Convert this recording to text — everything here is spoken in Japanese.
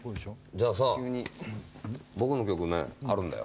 じゃあさ僕の曲ねあるんだよ。